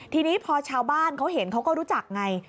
ทีนี้พอชาวบ้านเขาเห็นเขาก็รู้จักไง